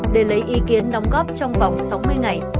để lấy ý kiến đóng góp trong vòng sáu mươi ngày